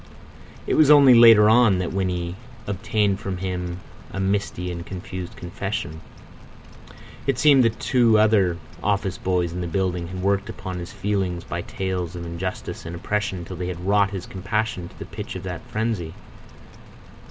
It was only later on that Winnie obtained from him a misty and confused confession. It seems that two other office boys in the building had worked upon his feelings by tales of injustice and oppression till they had wrought his compassion to the pitch of that frenzy.